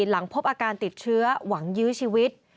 หลังพบอาการติดเชื้อหวังยื้อชีวิต